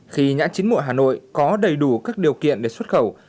khi nhãn chín mùa hà nội có đầy đủ các điều kiện để xuất khẩu